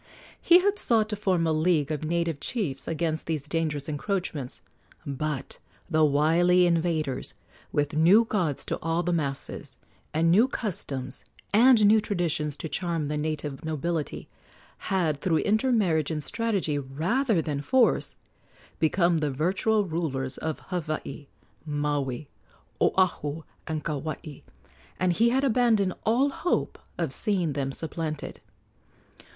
He had sought to form a league of native chiefs against these dangerous encroachments; but the wily invaders, with new gods to awe the masses and new customs and new traditions to charm the native nobility, had, through intermarriage and strategy rather than force, become the virtual rulers of Hawaii, Maui, Oahu, and Kauai, and he had abandoned all hope of seeing them supplanted.